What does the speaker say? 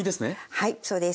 はいそうです。